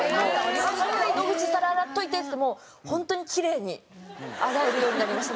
「野口皿洗っといて」っつってもう本当にキレイに洗えるようになりました。